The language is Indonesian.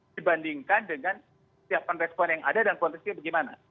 dibandingkan dengan siapa respon yang ada dan potensinya bagaimana